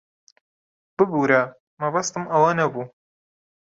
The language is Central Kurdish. ببوورە، مەبەستم ئەوە نەبوو.